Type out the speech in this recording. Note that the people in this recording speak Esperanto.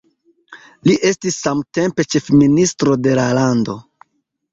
Li estis samtempe ĉefministro de la lando.